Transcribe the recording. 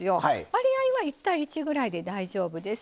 割合は１対１ぐらいで大丈夫です。